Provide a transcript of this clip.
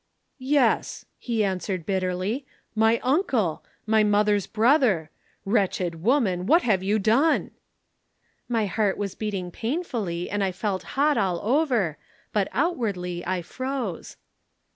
"'Yes,' he answered bitterly. 'My uncle! My mother's brother! Wretched woman, what have you done?' "My heart was beating painfully and I felt hot all over, but outwardly I froze.